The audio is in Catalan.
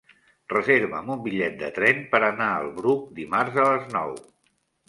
Reserva'm un bitllet de tren per anar al Bruc dimarts a les nou.